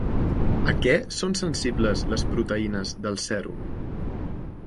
A què són sensibles les proteïnes del sèrum?